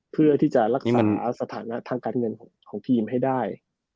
เพื่อที่จะรักษาสถานะทางการเงินของทีมให้ได้